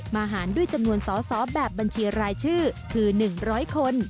หารด้วยจำนวนสอสอแบบบัญชีรายชื่อคือ๑๐๐คน